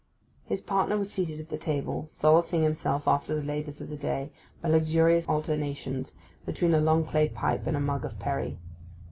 His partner was seated at the table, solacing himself after the labours of the day by luxurious alternations between a long clay pipe and a mug of perry.